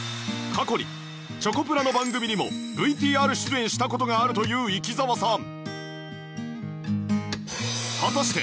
過去にチョコプラの番組にも ＶＴＲ 出演した事があるという生澤さん